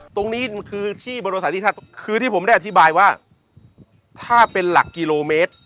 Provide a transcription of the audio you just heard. ตรงนี้คือที่ผมได้อธิบายว่าถ้าเป็นหลักกิโลเมตร